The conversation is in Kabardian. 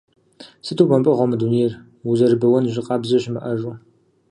Сыту бэмпӏэгъуэ мы дунейри, узэрыбэуэн жьы къабзэ щымыӏэжу…